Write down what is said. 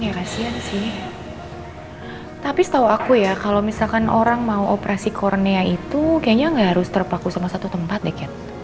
ya kasian sih tapi setahu aku ya kalau misalkan orang mau operasi kornea itu kayaknya nggak harus terpaku sama satu tempat deh cat